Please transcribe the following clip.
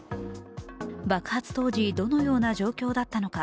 爆発当時、どのような状況だったのか。